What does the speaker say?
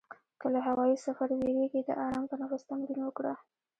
که له هوایي سفر وېرېږې، د آرام تنفس تمرین وکړه.